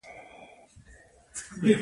د بوټانو چرم له کومه کیږي؟